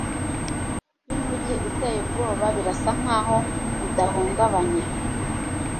y'umujyi uteye ubwoba birasa nkaho bidahungabanye